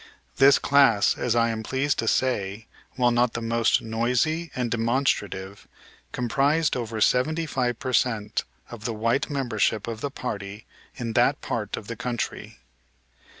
This class, I am pleased to say, while not the most noisy and demonstrative, comprised over seventy five per cent, of the white membership of the party in that part of the country.